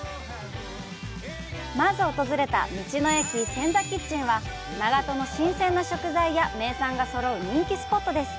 まず訪れた道の駅「センザキッチン」は長門の新鮮な食材や名産がそろう人気スポットです。